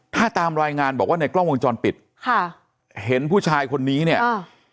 ถ้าตามรายงานบอกว่าในกล้องวงจรปิดค่ะเห็นผู้ชายคนนี้เนี่ยอ่า